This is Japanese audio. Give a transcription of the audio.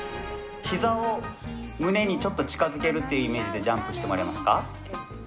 ひざを胸にちょっと近づけるってイメージでジャンプしてもらえますか？